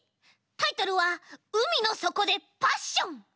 タイトルは「海のそこでパッション」。